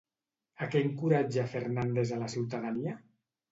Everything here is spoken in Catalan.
A què encoratja Fernàndez a la ciutadania?